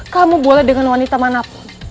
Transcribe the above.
kamu boleh dengan wanita manapun